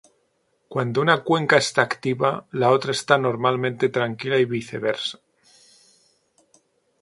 Cuando una cuenca está activa, la otra está normalmente tranquila y viceversa.